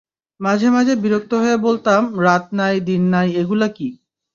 মাঝে মাঝে বিরক্ত হয়ে বলতাম, রাত নাই, দিন নাই এগুলো কী।